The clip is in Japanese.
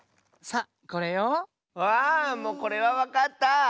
あもうこれはわかった！